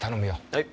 はい。